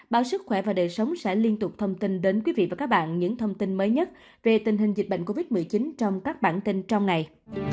báo sức khỏe và đời sống sẽ liên tục thông tin đến quý vị và các bạn những thông tin mới nhất về tình hình dịch bệnh covid một mươi chín trong các bản tin trong ngày